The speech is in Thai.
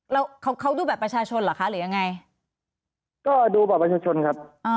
แล้วเขาเขาดูบัตรประชาชนเหรอคะหรือยังไงก็ดูบัตรประชาชนครับ